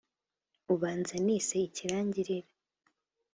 ubanza nise ikirangirire